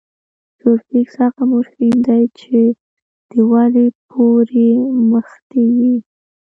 سوفیکس هغه مورفیم دئ، چي د ولي پوري مښتي يي.